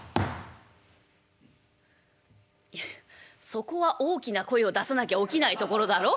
「そこは大きな声を出さなきゃ起きないところだろ？」。